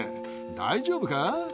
大丈夫か？